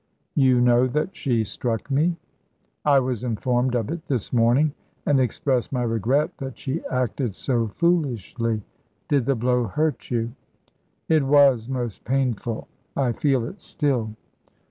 "You know that she struck me?" "I was informed of it this morning, and express my regret that she acted so foolishly. Did the blow hurt you?" "It was most painful. I feel it still."